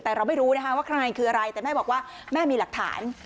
แต่เราไม่รู้นะคะว่าใครคืออะไรแต่แม่บอกว่าแม่มีหลักฐาน